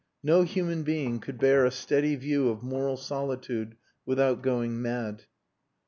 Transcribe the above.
No human being could bear a steady view of moral solitude without going mad.